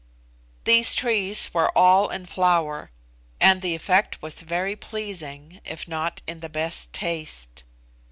These trees were all in flower, and the effect was very pleasing, if not in the best taste.